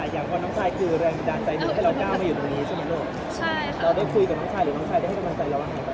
อย่างน้องชายก็ได้พูดกับน้องชาย